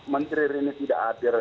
menteri rini tidak hadir